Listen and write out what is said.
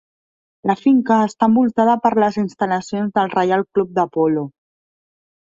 La finca està envoltada per les instal·lacions del Reial Club de Polo.